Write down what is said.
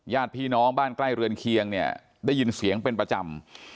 ญาติพี่น้องบ้านใกล้เรือนเคียงเนี่ยได้ยินเสียงเป็นประจำ